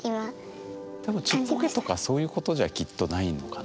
多分ちっぽけとかそういうことじゃきっとないのかな。